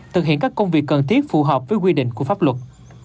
thực hiện các công việc cần thiết phù hợp với quy định của pháp luật